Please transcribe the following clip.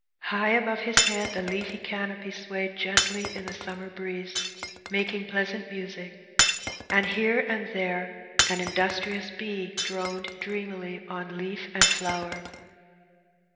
High above his head the leafy canopy swayed gently in the summer breeze, making pleasant music, and here and there an industrious bee droned dreamily on leaf and flower.